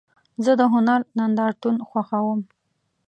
زه د هنر نندارتون خوښوم.